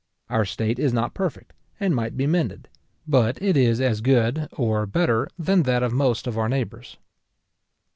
Our state is not perfect, and might be mended; but it is as good, or better, than that of most of our neighbours.